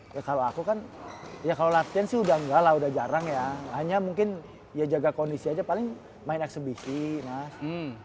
ya kalau aku kan ya kalau latihan sih udah enggak lah udah jarang ya hanya mungkin ya jaga kondisi aja paling main eksebisi mas